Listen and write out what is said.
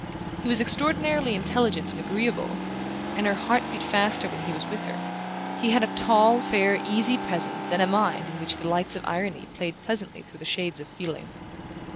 He was extraordinarily intelligent and agreeable, and her heart beat faster when he was with her. He had a tall fair easy presence and a mind in which the lights of irony played pleasantly through the shades of feeling.